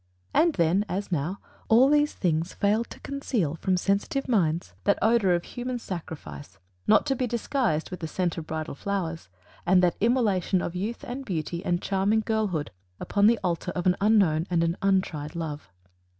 And then, as now, all these things failed to conceal from sensitive minds that odour of human sacrifice, not to be disguised with the scent of bridal flowers that immolation of youth and beauty and charming girlhood upon the altar of an unknown and an untried love.